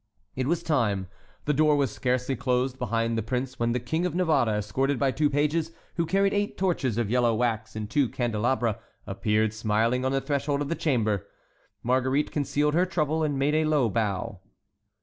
It was time. The door was scarcely closed behind the prince when the King of Navarre, escorted by two pages, who carried eight torches of yellow wax in two candelabra, appeared, smiling, on the threshold of the chamber. Marguerite concealed her trouble, and made a low bow.